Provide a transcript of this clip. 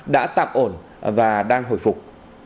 đã tạm ổn và đang hồi phục